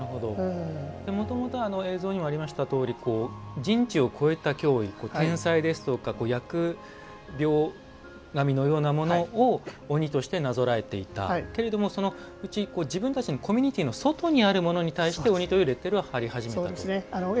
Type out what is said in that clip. もともとは映像にありましたとおり人智を超えた脅威天災ですとか厄病みたいなものを鬼としてなぞらえていたけれどもそのうち、自分たちのコミュニティーの外にあるものに対して鬼というレッテルを貼り始めたと。